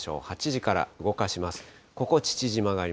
８時から動かします。